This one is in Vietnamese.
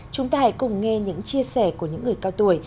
chúng ta hãy cùng nghe những chia sẻ của những người cao tuổi